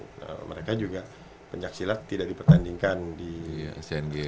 di asian games ya kan mereka juga pencaksilat tidak dipertandingkan di asian games